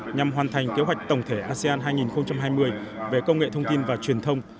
nhằm hoàn thành kế hoạch tổng thể asean hai nghìn hai mươi về công nghệ thông tin và truyền thông